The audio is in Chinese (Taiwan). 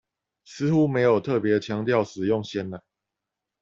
似乎沒有特別強調使用鮮奶